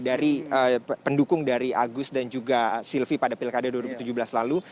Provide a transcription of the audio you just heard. dari pendukung dari agus dan juga silvi pada pilkada dua ribu tujuh belas lalu